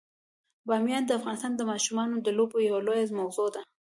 بامیان د افغانستان د ماشومانو د لوبو یوه لویه موضوع ده.